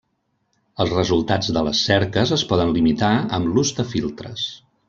Els resultats de les cerques es poden limitar amb l'ús de filtres.